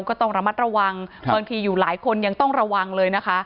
ก็ต้องระมัดระวังบางทีอยู่หลายคนยังต้องระวังเลยนะคะ